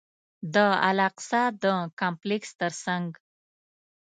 د الاقصی د کمپلکس تر څنګ.